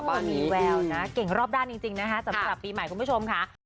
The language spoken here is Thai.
ตอนนี้แววนะเก่งรอบด้านจริงนะคะสำหรับปีใหม่คุณผู้ชมค่ะ